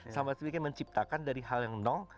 sama sedikit menciptakan dari hal yang nong